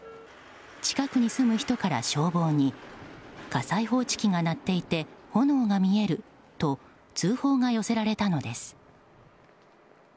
近くに住む人から消防に火災報知機が鳴っていて炎が見えると通報が寄せられたのです。